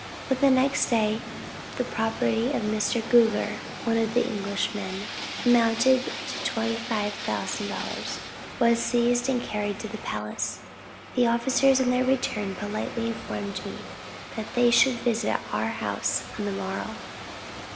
But the next day, the property of Mr. Gouger, (one of the Englishmen,) amounting to 25,000 dollars, was seized and carried to the palace. The officers on their return, politely informed me, that they should visit our house on the morrow.